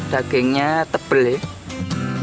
dagingnya tebal ya